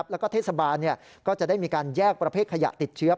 แล้วก็เทศบาลก็จะได้มีการแยกประเภทขยะติดเชื้อ